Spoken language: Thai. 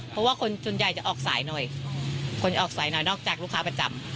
เพราะว่าคนส่วนใหญ่จะออกสายหน่อยคนออกสายหน่อยนอกจากลูกค้าประจำ